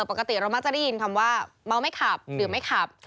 ปกติเรามักจะได้ยินคำว่าเมาไม่ขับหรือไม่ขับ